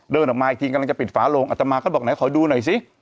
เดินออกมาอีกทีกำลังจะปิดฝาโลงอัตมาก็บอกไหนขอดูหน่อยสิ